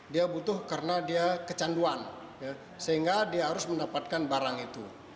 dia butuh karena dia kecanduan sehingga dia harus mendapatkan barang itu